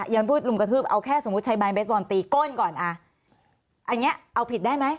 ยังพูดลุมกระทืบเอาแค่สมมุติใช้ไม้เบสบอลตีก้นก่อนอ่ะอันนี้เอาผิดได้ไหม